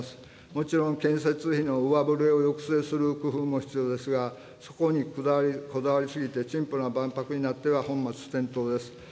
もちろん、建設費の上振れを抑制する工夫も必要ですが、そこにこだわりすぎて、陳腐な万博になっては本末転倒です。